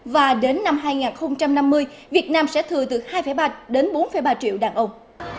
và đến năm hai nghìn năm mươi việt nam sẽ thừa từ hai ba đến bốn ba triệu đàn ông